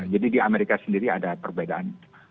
jadi di amerika sendiri ada perbedaan